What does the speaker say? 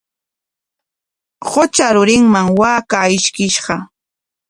Qutra rurinman waakaa ishkishqa.